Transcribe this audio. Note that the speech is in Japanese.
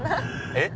えっ？